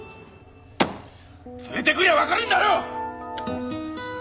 連れてくりゃわかるんだよ！